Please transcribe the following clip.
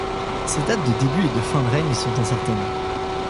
Ses dates de début et de fin de règne sont incertaines.